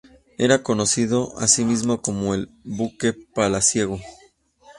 Era conocido asimismo como el buque palaciego.